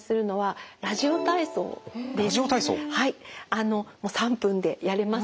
あのもう３分でやれますし